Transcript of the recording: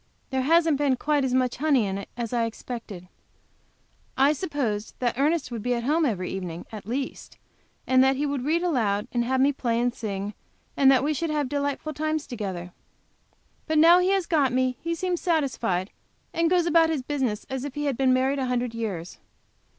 There hasn't been quite as much honey in it as I expected. I supposed that Ernest would be at home every evening, at least, and that he would read aloud, and have me play and sing, and that we should have delightful times together. But now he has got me he seems satisfied, and goes about his business as if he had been married a hundred years.